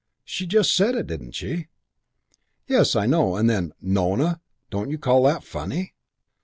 She just said it, didn't she?" "Yes I know. And then 'Nona.' Don't you call that funny?"